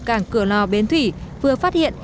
cảng cửa lò bến thủy vừa phát hiện